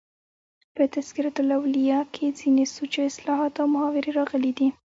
په "تذکرة الاولیاء" کښي ځيني سوچه اصطلاحات او محاورې راغلي دي.